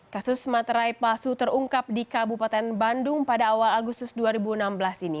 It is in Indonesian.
kasus materai palsu terungkap di kabupaten bandung pada awal agustus dua ribu enam belas ini